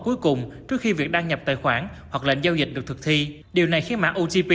khẩu trước khi việc đăng nhập tài khoản hoặc lệnh giao dịch được thực thi điều này khiến mã otp